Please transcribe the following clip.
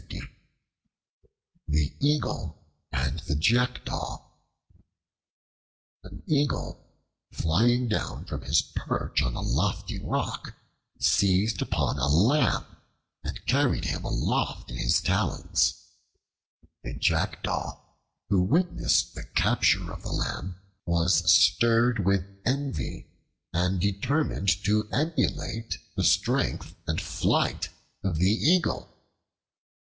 The Eagle and the Jackdaw AN EAGLE, flying down from his perch on a lofty rock, seized upon a lamb and carried him aloft in his talons. A Jackdaw, who witnessed the capture of the lamb, was stirred with envy and determined to emulate the strength and flight of the Eagle.